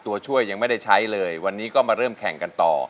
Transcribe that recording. ตัวช่วยยังไม่ได้ใช้เลยวันนี้ก็มาเริ่มแข่งกันต่อ